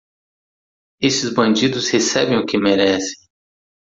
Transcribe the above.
Esses bandidos recebem o que merecem.